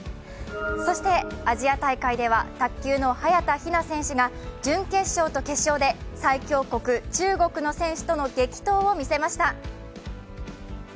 そしてアジア大会では卓球の早田ひな選手が準決勝と決勝で最強国・中国の選手との激闘を見せました。